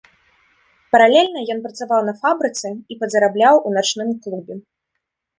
Паралельна ён працаваў на фабрыцы і падзарабляў у начным клубе.